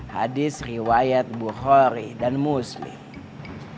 hadis riwayat bukhori dan muslim